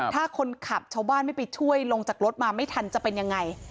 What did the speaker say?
ถ้าคนขับชาวบ้านไม่ไปช่วยลงจากรถมาไม่ทันจะเป็นยังไง